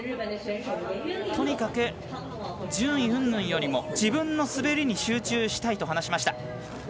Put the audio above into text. とにかく順位うんぬんより自分の滑りに集中したいと話しました。